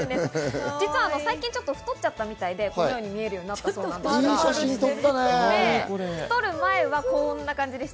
最近ちょっと太っちゃったみたいで、このように見えるようになったそうです。